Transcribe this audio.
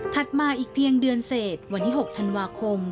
มาอีกเพียงเดือนเศษวันที่๖ธันวาคม